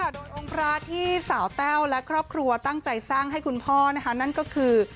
โดยองค์พระที่สาวแต้วและครอบครัวตั้งใจสร้างให้คุณพ่อนั่นก็คือ